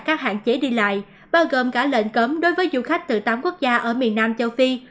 các hạn chế đi lại bao gồm cả lệnh cấm đối với du khách từ tám quốc gia ở miền nam châu phi